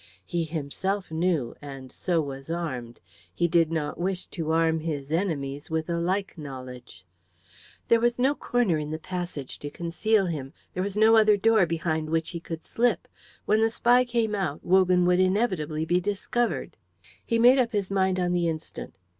He himself knew, and so was armed; he did not wish to arm his enemies with a like knowledge. There was no corner in the passage to conceal him; there was no other door behind which he could slip. When the spy came out, Wogan would inevitably be discovered. He made up his mind on the instant.